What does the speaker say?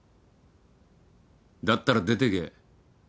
だったら出てけ。